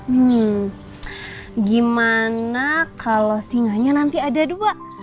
hmm gimana kalau singanya nanti ada dua